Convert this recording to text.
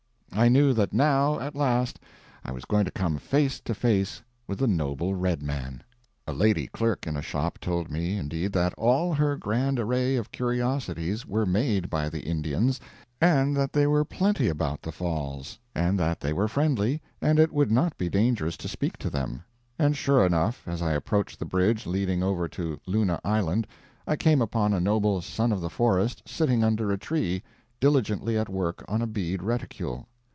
I knew that now, at last, I was going to come face to face with the noble Red Man. A lady clerk in a shop told me, indeed, that all her grand array of curiosities were made by the Indians, and that they were plenty about the Falls, and that they were friendly, and it would not be dangerous to speak to them. And sure enough, as I approached the bridge leading over to Luna Island, I came upon a noble Son of the Forest sitting under a tree, diligently at work on a bead reticule.